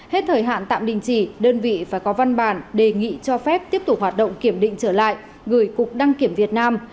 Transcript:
hết thời hạn tạm đình chỉ đơn vị phải có văn bản đề nghị cho phép tiếp tục hoạt động kiểm định trở lại gửi cục đăng kiểm việt nam